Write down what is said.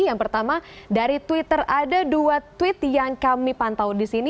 yang pertama dari twitter ada dua tweet yang kami pantau di sini